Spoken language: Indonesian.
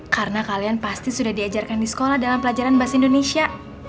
karena kalian pasti sudah diajarkan di sekolah dalam pelajaran bahasa indonesia